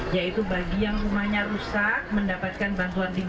yaitu bagi yang rumahnya rusak mendapatkan bantuan lima puluh juta